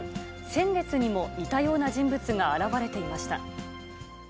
先月にも似たような人物が現れていました。